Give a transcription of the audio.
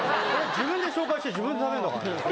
自分で紹介して自分で食べんだからね。